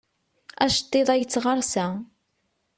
Aceṭṭiḍ-a yettɣersa.